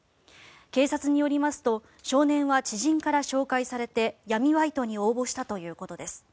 警察によりますと少年は知人から紹介されて闇バイトに応募したということです。